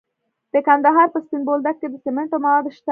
د کندهار په سپین بولدک کې د سمنټو مواد شته.